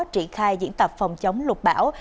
trị khai diễn tập phòng chống lục bão